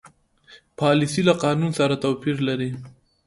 پالیسي له قانون سره توپیر لري.